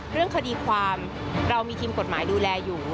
เรื่องคดีความเรามีทีมกฎหมายดูแลอยู่